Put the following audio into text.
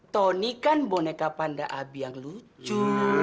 tony kan boneka panda abi yang lucu